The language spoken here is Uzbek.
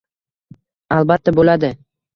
Albatta bo'ladi